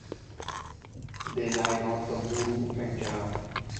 They lie north of Buru and Ceram.